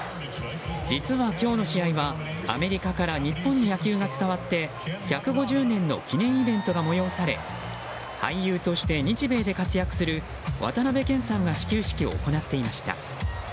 実は今日の試合は、アメリカから日本に野球が伝わって１５０年の記念イベントが催され俳優として日米で活躍する渡辺謙さんが始球式を行っていました。